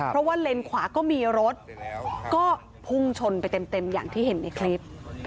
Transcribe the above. เพราะว่าเลนขวาก็มีรถก็พุ่งชนไปเต็มอย่างที่เห็นในคลิป